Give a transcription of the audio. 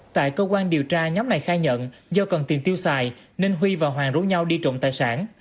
tại cơ quan điều tra nhóm này khai nhận do cần tiền tiêu xài nên huy và hoàng rủ nhau đi trộm tài sản